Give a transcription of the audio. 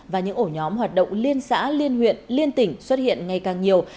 và những ổ nhóm hoạt động liên xã liên huyện liên tỉnh xuất hiện ngày càng nhiều